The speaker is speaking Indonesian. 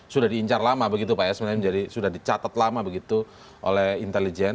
sudah diincar lama begitu pak ya sebenarnya sudah dicatat lama begitu oleh intelijen